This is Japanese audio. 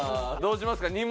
どうしますか？